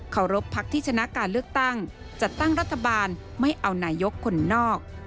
รบพักที่ชนะการเลือกตั้งจัดตั้งรัฐบาลไม่เอานายกคนนอก